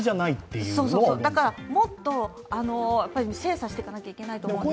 だからもっと精査していかなきゃいけないと思うんですね。